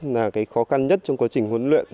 là cái khó khăn nhất trong quá trình huấn luyện